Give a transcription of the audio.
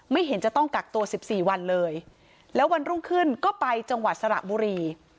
เห็นจะต้องกักตัวสิบสี่วันเลยแล้ววันรุ่งขึ้นก็ไปจังหวัดสระบุรี